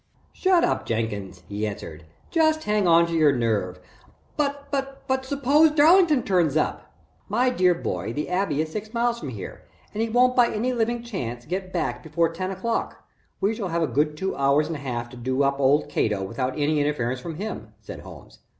"Shut up Jenkins," he answered. "Just hang on to your nerve " "But suppose Darlington turns up?" "My dear boy, the Abbey is six miles from here and he won't by any living chance, get back before ten o'clock to night. We shall have a good two hours and a half to do up old Cato without any interference from him," said Holmes.